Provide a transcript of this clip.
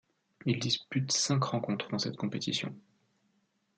Il dispute cinq rencontres dans cette compétition.